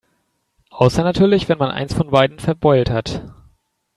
Außer natürlich, wenn man eins von beiden verbeult hat.